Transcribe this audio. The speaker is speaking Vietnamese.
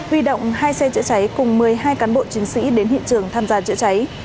huy động hai xe chữa cháy cùng một mươi hai cán bộ chiến sĩ đến hiện trường tham gia chữa cháy